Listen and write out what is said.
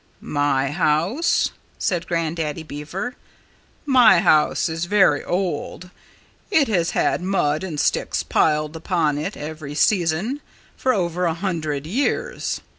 "My house " said Grandaddy Beaver "my house is very old. It has had mud and sticks piled upon it every season for over a hundred years.